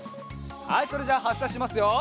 はいそれじゃあはっしゃしますよ。